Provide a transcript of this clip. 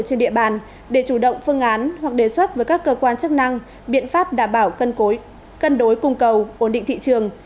trên địa bàn để chủ động phương án hoặc đề xuất với các cơ quan chức năng biện pháp đảm bảo cân đối cung cầu ổn định thị trường